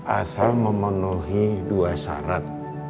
asal memenuhi dua syarat